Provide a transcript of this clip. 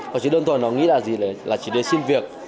họ chỉ đơn thuần họ nghĩ là chỉ để xin việc